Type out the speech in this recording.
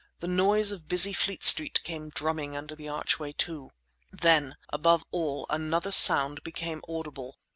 The noise of busy Fleet Street came drumming under the archway, too. Then, above all, another sound became audible.